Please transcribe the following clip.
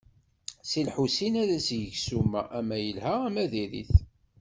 Si Lḥusin ad s-yeg ssuma, ama yelha ama diri-t.